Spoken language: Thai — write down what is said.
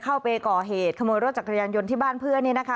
เข้าไปก่อเหตุขโมยรถจักรยานยนต์ที่บ้านเพื่อน